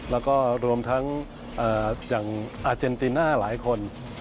แล้วก็รวมทั้งอย่างอาเจนติน่าหลายคน